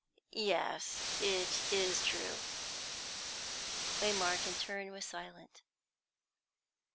"Yes; it is true." Waymark in turn was silent.